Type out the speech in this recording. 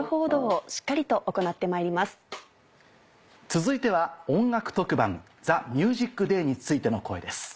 続いては音楽特番『ＴＨＥＭＵＳＩＣＤＡＹ』についての声です。